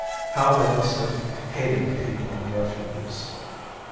How they must have hated the people in refuges!